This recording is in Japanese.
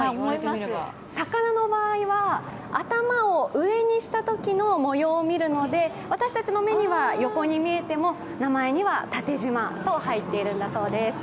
魚の場合は頭を上にしたときの模様を見るので、私たちの目には横に見えても、名前には縦じまと入ってるんだそうです。